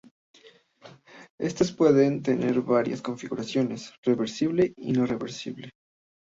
Estos pueden tener varias configuraciones: reversible y no reversible.